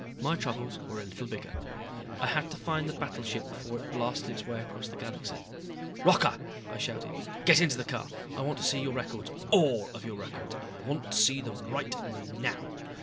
My troubles were a little bigger. I had to find the battleship before it blasted its way across the galaxy. "Rocca!" I shouted. "Get into the car. I want to see your records all of your records and I want to see them right now."